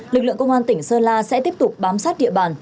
lực lượng công an tỉnh sơn la sẽ tiếp tục bám sát địa bàn